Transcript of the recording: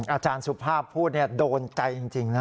อาจารย์สุภาพพูดโดนใจจริงนะ